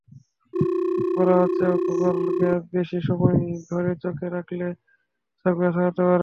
বলা হচ্ছে, Google Glass বেশি সময় ধরে চোখে রাখলে চোখব্যথা হতে পারে।